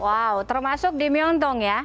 wow termasuk di myeongdong ya